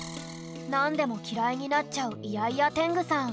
なんでもきらいになっちゃうイヤイヤテングさん。